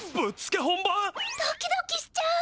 ドキドキしちゃう。